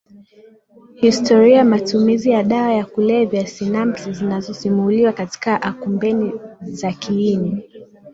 historia ya matumizi ya dawa ya kulevya sinapsi zinazosisimuliwa katika akumbeni za kiini